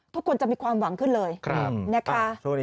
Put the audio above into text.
ทุกคนจะมีความหวังขึ้นเลยนะคะ